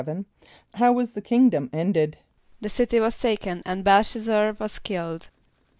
= How was the kingdom ended? =The city was taken and B[)e]l sh[)a]z´zar was killed.